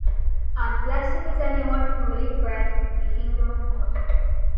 And 'blessed is anyone who will eat bread in the Kingdom of God.